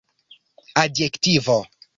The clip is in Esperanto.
adjektivo